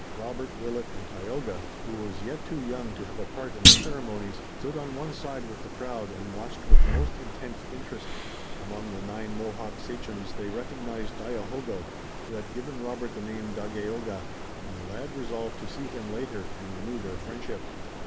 Robert, Willet, and Tayoga, who was yet too young to have a part in the ceremonies, stood on one side with the crowd and watched with the most intense interest. Among the nine Mohawk sachems they recognized Dayohogo, who had given Robert the name Dagaeoga, and the lad resolved to see him later and renew their friendship.